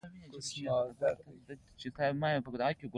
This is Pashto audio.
واک د هغه ګوند چې سلپيپ وو ته وسپاره.